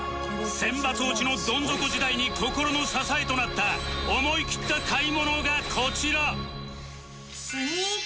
選抜落ちのどん底時代に心の支えとなった思いきった買い物がこちら！